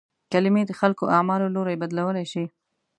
کلمې د خلکو اعمالو لوری بدلولای شي.